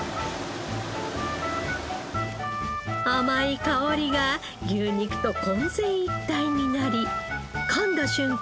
甘い香りが牛肉と混然一体になりかんだ瞬間